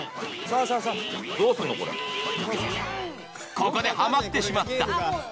ここでハマってしまった。